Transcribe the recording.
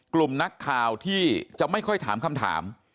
กลุ่มนักข่าวที่จะไม่ค่อยถามคำถาม